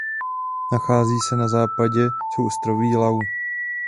Nachází se na západě souostroví Lau.